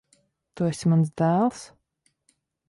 Tu esi mans dēls?